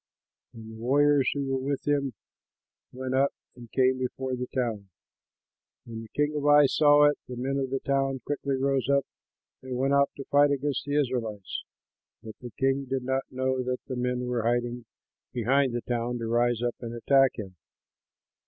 And the warriors who were with him went up and came before the town. When the king of Ai saw it, the men of the town quickly rose up and went out to fight against the Israelites, but the king did not know that men were hiding behind the town to rise up and attack him.